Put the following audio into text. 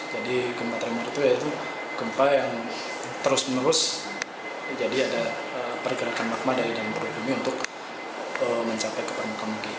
jadi gempa gempa tremor itu gempa yang terus menerus jadi ada pergerakan magma dari dalam perut bumi untuk mencapai ke permukaan bumi